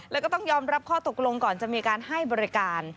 แล้วก็ต้องยอมรับข้อตกลงก่อนจะมีการให้บริการ